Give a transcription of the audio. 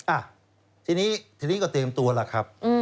อ่ะทีนี้ทีนี้ก็เตรียมตัวล่ะครับ